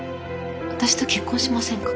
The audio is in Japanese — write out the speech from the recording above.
私と結婚しませんか。